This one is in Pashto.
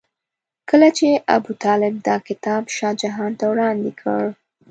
کله چې ابوطالب دا کتاب شاه جهان ته وړاندې کړ.